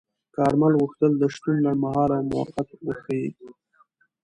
کارمل غوښتل د شتون لنډمهاله او موقت وښيي.